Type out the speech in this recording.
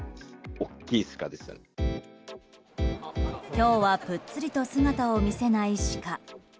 今日はぷっつりと姿を見せないシカ。